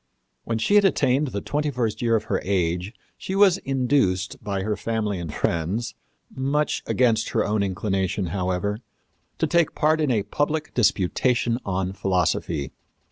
When she had attained the twenty first year of her age she was induced by her family and friends much against her own inclination, however to take part in a public disputation on philosophy.